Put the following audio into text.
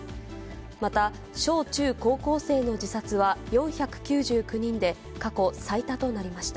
また、小中高校生の自殺は４９９人で、過去最多となりました。